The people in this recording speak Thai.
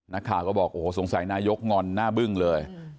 นักข่าวก็บอกโอ้โหสงสัยนายกงอนหน้าบึ้งเลย